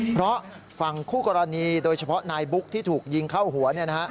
เพราะฝั่งคู่กรณีโดยเฉพาะนายบุ๊กที่ถูกยิงเข้าหัว